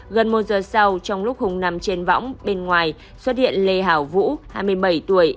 gần một giờ sau trong lúc hùng nằm trên võng bên ngoài xuất hiện lê hảo vũ hai mươi bảy tuổi